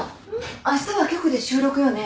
あしたは局で収録よね？